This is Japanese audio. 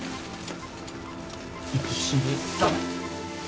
１２３！